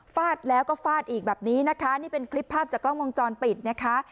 ฟาดแล้วก็ฟาดอีกแบบนี้นะคะนี่เป็นคลิปภาพจากกล้องวงจรปิดนะคะ